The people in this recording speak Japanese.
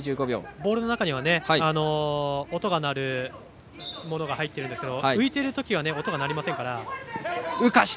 ボールの中には音が鳴るものが入ってるんですけど浮いてるときは音が鳴りませんから。